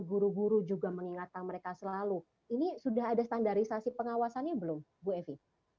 guru guru juga mengingatkan mereka selalu ini sudah ada standarisasi pengawasannya belum bu evi